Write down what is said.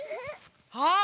あっ。